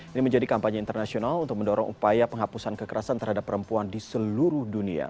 ini menjadi kampanye internasional untuk mendorong upaya penghapusan kekerasan terhadap perempuan di seluruh dunia